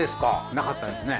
なかったですね。